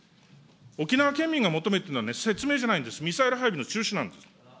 沖縄県民が求めているのは説明じゃないんです、ミサイル配備の中止なんです。